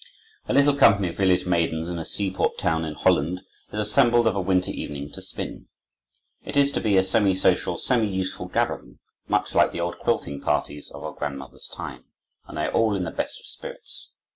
A little company of village maidens, in a seaport town in Holland, is assembled of a winter evening to spin. It is to be a semi social, semi useful gathering, much like the old quilting parties of our grandmothers' time, and they are all in the best of spirits.